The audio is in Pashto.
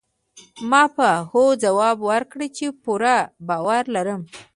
ما په هوځواب ورکړ، چي پوره باور لرم.